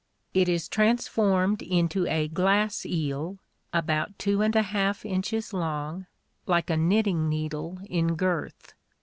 It is transformed into a glass eel, about two and a half inches long, like a knitting needle in girth.